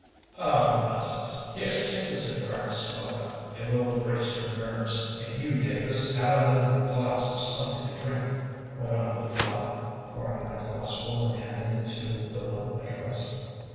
"Oh, nonsense! Here, take this cigar and smoke up. It will brace your nerves. And you, Davis, have another glass of something to drink," went on Lew Flapp, pouring out a glassful and handing it to the one addressed.